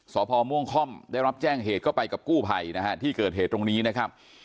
สพม่วงค่อมได้รับแจ้งเหตุก็ไปกับกู้ภัยนะฮะที่เกิดเหตุตรงนี้นะครับ